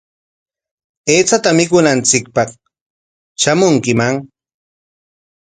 Aychata mikunanchikpaq shamunkiman.